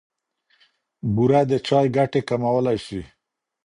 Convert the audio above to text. بوره د چای ګټې کمولای شي.